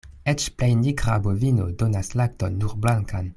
Eĉ plej nigra bovino donas lakton nur blankan.